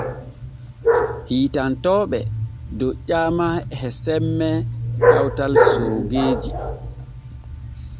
Hiitantooɓe doƴƴaama e semme kawtal soogeeji.